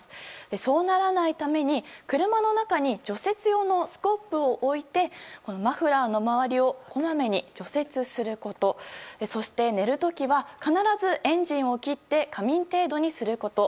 そうならないために、車の中に除雪用のスコップを置いてマフラーの周りをこまめに除雪することそして寝る時は必ずエンジンを切って仮眠程度にすること。